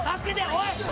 おい。